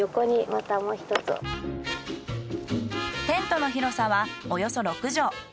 テントの広さはおよそ６畳。